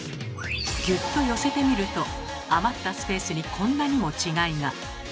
ぎゅっと寄せてみると余ったスペースにこんなにも違いが！